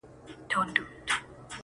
د شپې مي دومره وي ژړلي گراني_